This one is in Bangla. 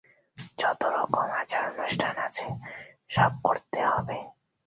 যত রকম আচার-অনুষ্ঠান আছে, সব করতে হবে।